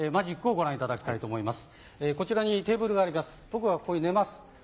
ご覧をいただきます